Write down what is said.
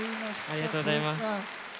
ありがとうございます。